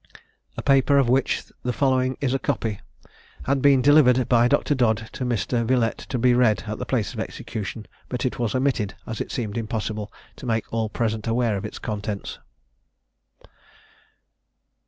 A paper, of which the following is a copy, had been delivered by Dr. Dodd to Mr. Villette to be read at the place of execution, but was omitted as it seemed impossible to make all present aware of its contents.